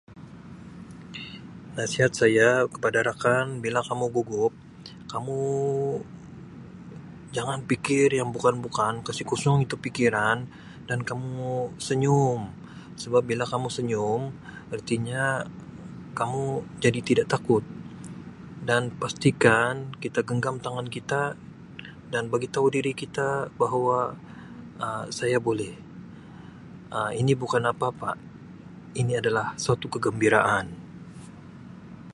Nasihat saya kepada rakan bila kamu gugup kamu jangan pikir yang bukan-bukan kasi kusung itu pikiran dan kamu senyum sebab bila kamu senyum ertinya kamu jadi tidak takut dan pastikan kita genggam tangan kita dan bagitau diri kita bahawa Um saya boleh Um ini bukan apa-apa ini adalah suatu kegembiraan.